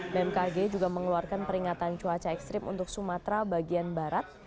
bmkg juga mengeluarkan peringatan cuaca ekstrim untuk sumatera bagian barat